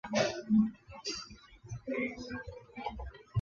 柳叶鬼针草是菊科鬼针草属的植物。